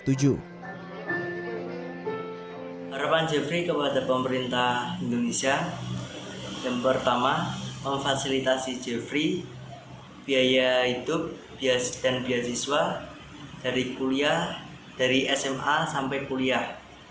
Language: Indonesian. harapan jeffrey kepada pemerintah indonesia yang pertama memfasilitasi jeffrey biaya hidup dan beasiswa dari kuliah dari sma sampai kuliah